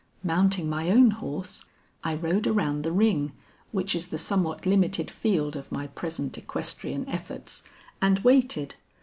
Mounting my own horse, I rode around the ring which is the somewhat limited field of my present equestrian efforts, and waited.